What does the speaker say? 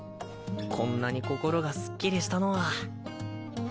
こんなに心がすっきりしたのは。